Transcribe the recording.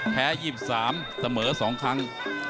แพ้๒๓เสมอ๒ครั้ง